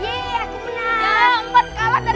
berikanlah keselamatan padanya